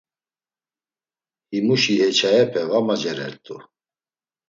Himuşi heçaepe va macerert̆u.